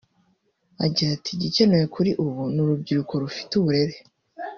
Agira ati “Igikenewe kuri ubu ni urubyiruko rufite uburere